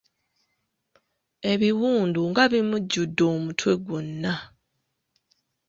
Ebiwundu nga bimujjuddde omutwe gwonna!